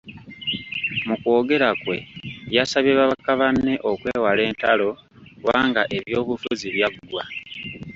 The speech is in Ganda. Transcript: Mu kwogera kwe, yasabye babaka banne okwewala entalo kubanga ebyobufuzi byaggwa.